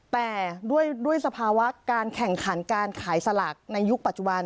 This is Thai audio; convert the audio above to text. แต่ด้วยสภาวะการแข่งขันการขายสลากในยุคปัจจุบัน